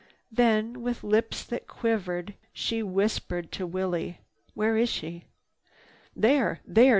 Then, with lips that quivered, she whispered to Willie: "Where is she?" "There! There!